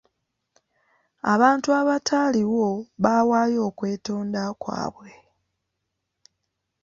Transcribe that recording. Abantu abataaliwo baawaayo okwetonda kwabwe.